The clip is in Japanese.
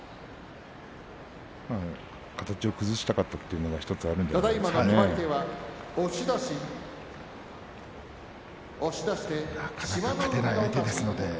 形を崩したかったというのがあるんですね。